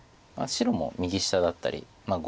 白も右下だったり